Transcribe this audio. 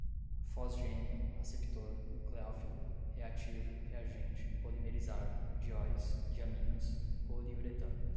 fosgênio, aceptor, nucléofilo, reativo, reagente, polimerizar, dióis, diaminas, poliuretano